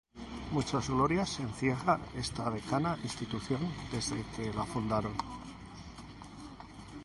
Muchas glorias encierra esta Decana Institución desde que la fundaron.